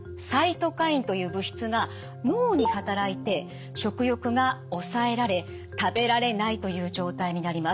サイトカインという物質が脳に働いて食欲が抑えられ食べられないという状態になります。